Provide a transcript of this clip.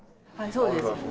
そうですね。